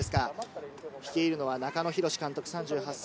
率いるのは中野洋司監督、３８歳。